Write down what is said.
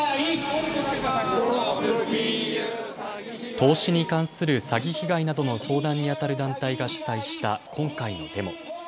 投資に関する詐欺被害などの相談にあたる団体が主催した今回のデモ。